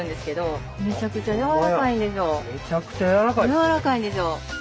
柔らかいんですよ。